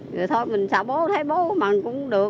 rồi thôi mình xả bố thấy bố mà cũng được